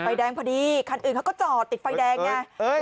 แดงพอดีคันอื่นเขาก็จอดติดไฟแดงไง